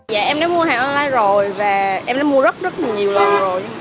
dạ em đã mua hàng online rồi và em đã mua rất rất là nhiều lần rồi